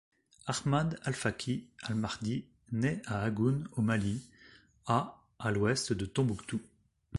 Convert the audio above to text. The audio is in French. Ahmad al-Faqi al-Mahdi naît à Agoune, au Mali, à à l'Ouest de Tombouctou.